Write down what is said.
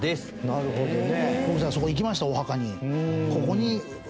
なるほどね。